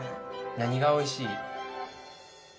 何がおいしい？